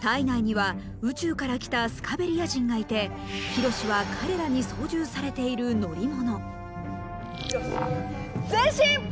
体内には宇宙から来たスカベリア人がいてヒロシは彼らに操縦されている乗り物緋炉詩前進！